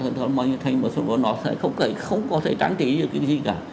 nó sẽ không có thể tráng trí được cái gì cả